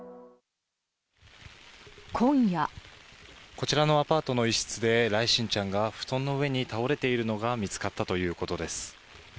こちらのアパートの一室で來心ちゃんが布団の上に倒れているのが見つかったということです。